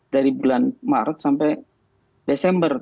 dari bulan maret sampai desember